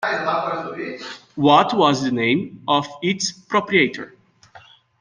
What was the name of its proprietor?